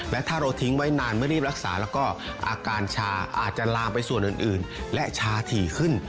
และถ้าเราทิ้งไว้นานเมื่อรีบรักษาแล้วก็อาการชาอาจจะลามไปส่วนอื่นและชาถี่ขึ้น